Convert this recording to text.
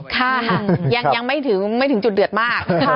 ค่ะยังไม่ถึงจุดเดือดมาก